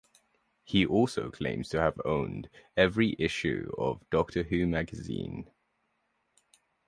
He also claims to have owned every issue of Doctor Who Magazine.